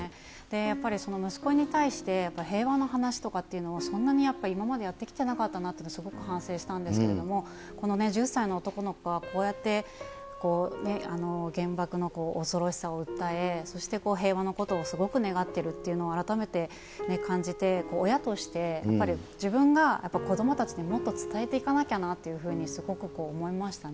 やっぱりその息子に対して、平和の話とかっていうのを、そんなにやっぱり、今までやってきてなかったなって、すごく反省したんですけれども、この１０歳の男の子がこうやって原爆の恐ろしさを訴え、そして平和のことをすごく願ってるっていうのを改めて感じて、親としてやっぱり自分が子どもたちにもっと伝えていかなきゃなっていうふうに、すごく思いましたね。